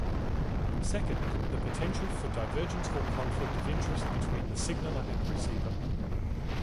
Second, the potential for divergence or conflict of interest between the signaler and receiver.